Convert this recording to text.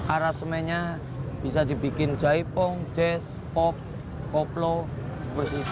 arasmennya bisa dibikin jaipong jazz pop koplo seperti itu